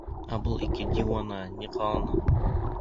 Ә был ике диуана ни ҡылана?